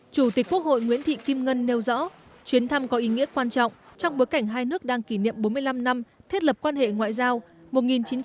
chủ tịch quốc hội nguyễn thị kim ngân nêu rõ chuyến thăm có ý nghĩa quan trọng trong bối cảnh hai nước đang kỷ niệm bốn mươi năm năm thiết lập quan hệ ngoại giao một nghìn chín trăm bảy mươi ba hai nghìn một mươi tám